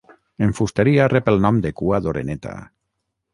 En fusteria rep el nom de cua d'oreneta.